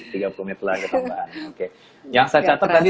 tiga pullmenretelan sebagai yang saya mencari